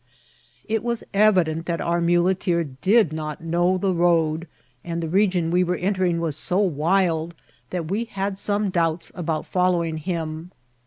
It was evident that our mule* teer did not know the road, and the region we were en* tering was so wild that we had some doubts about fc^ lowing him.